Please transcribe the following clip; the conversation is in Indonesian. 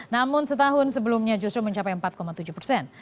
namun setahun sebelumnya justru mencapai empat tujuh persen